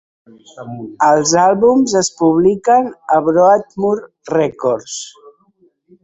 Els àlbums es publiquen a Broadmoor Records.